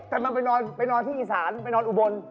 แต่มันไปนอนที่อีสานไปนอนอุบล